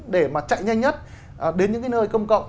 để mà chạy nhanh nhất đến những cái nơi công cộng